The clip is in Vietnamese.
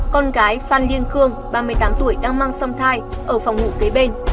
con gái phan liên cương ba mươi tám tuổi đang mang xâm thai ở phòng ngủ kế bên